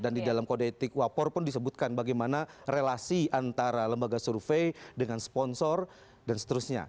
dan di dalam kode etik wapor pun disebutkan bagaimana relasi antara lembaga survei dengan sponsor dan seterusnya